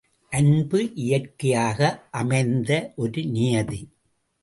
அன்பு இயற்கையாக அமைந்த ஒரு நியதி.